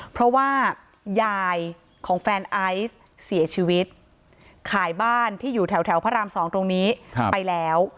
เพราะว่ายายของแฟนไอซ์เสียชีวิตขายบ้านที่อยู่แถวพระราม๒ตรงนี้ไปแล้ว